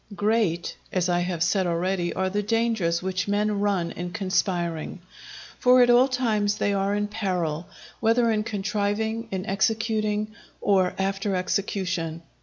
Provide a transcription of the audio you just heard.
Great, as I have said already, are the dangers which men run in conspiring; for at all times they are in peril, whether in contriving, in executing, or after execution.